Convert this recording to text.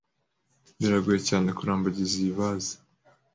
Biragoye cyane kurambagiza iyi vase.